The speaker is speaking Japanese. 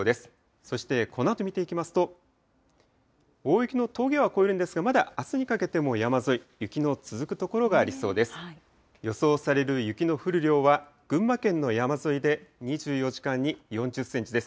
そしてこのあと見ていきますと、大雪の峠は越えるんですけれども、まだあすにかけても山沿い、雪の続く所がありそうです。